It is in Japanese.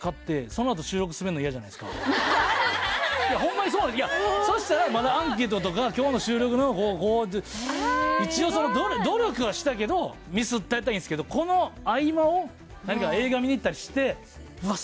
ホンマにそうそしたらまだアンケートとか今日の収録のこう一応努力はしたけどミスったやったらいいんすけどこの合間を何か映画見に行ったりしてうわっ